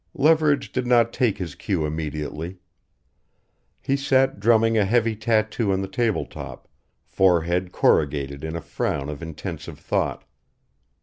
Leverage did not take his cue immediately. He sat drumming a heavy tattoo on the tabletop, forehead corrugated in a frown of intensive thought.